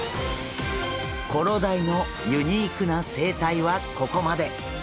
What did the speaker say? コロダイのユニークな生態はここまで！